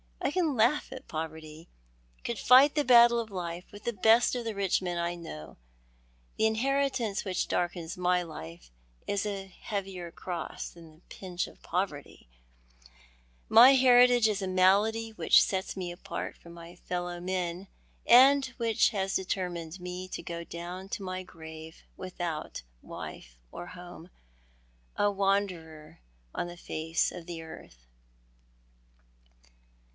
I can langh at poverty— could fight the battle of life with the best of the rich men I know. The inheritance which darkens my life is a heavier cross than the pinch of poverty. My heritage is a malady which sets me apart from my fellow men, and which has determined me to go down to my grave without wife or home— a wanderer on the face of the earth."